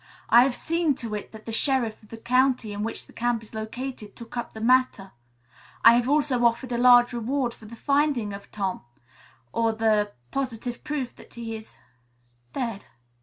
I have seen to it that the sheriff of the county in which the camp is located took up the matter. I have also offered a large reward for the finding of Tom, or the positive proof that he is dead."